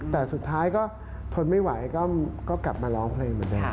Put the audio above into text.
แต่สุดท้ายก็ทนไม่ไหวก็กลับมาร้องเพลงเหมือนเดิม